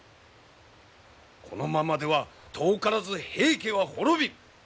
このままでは遠からず平家は滅びる！